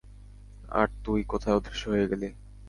আর তুই, কোথায় অদৃশ্য হয়ে গেলি।